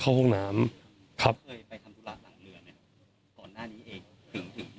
เข้าห้องน้ำครับไปทำธุระหลังเรือเนี้ยตอนหน้านี้เอง